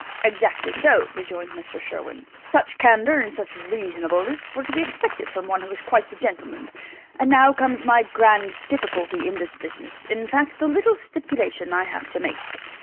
"Exactly so," rejoined Mr. Sherwin; "such candour and such reasonableness were to be expected from one who is quite the gentleman. And now comes my grand difficulty in this business in fact, the little stipulation I have to make."